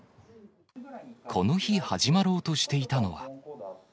この日、始まろうとしていたのは。